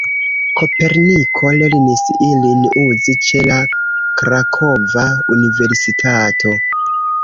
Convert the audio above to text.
Koperniko lernis ilin uzi ĉe la Krakova universitato.